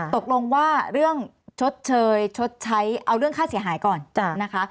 ตกลงว่าเรื่องชดเชยชดใช้เอาเรื่องค่าเสียหายก่อนนะคะ